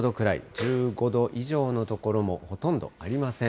１５度以上の所もほとんどありません。